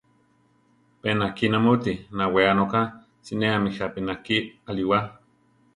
Pe nakí namúti, nawéa noka; sinéami jápi náki alíwa.